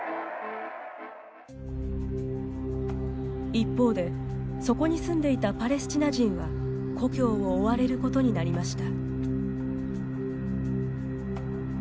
一方で、そこに住んでいたパレスチナ人は故郷を追われることになりました。